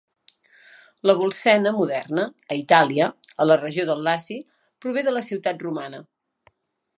La Bolsena moderna, a Itàlia, a la regió del Laci, prové de la ciutat romana.